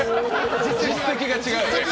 実績が違うよね